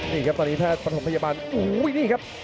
นี่ครับตอนนี้แพทย์ประถมพยาบาลโอ้โหนี่ครับ